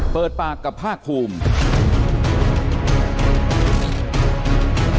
เปิดปากกับภาคภูมิ